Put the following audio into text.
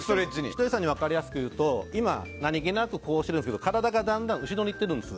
ひとりさんに分かりやすく言うと今、何気なくこうしてますけど体がだんだん後ろにいっているんです。